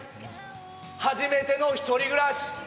初めての１人暮らし。